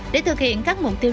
để thực hiện các mục tiêu